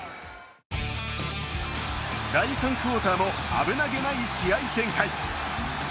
第３クオーターも危なげない試合展開。